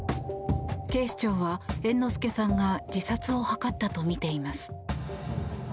警視庁は猿之助さんが自殺を図ったとみています。